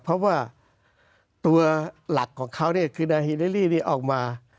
เพราะว่าตัวหลักของเขาเนี่ยคือนาฮิเลลี่นี่ออกมา